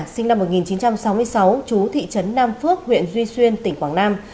sinh năm một nghìn chín trăm sáu mươi sáu chú thị trấn nam phước huyện duy xuyên tỉnh quảng nam